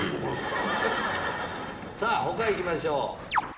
他行きましょう。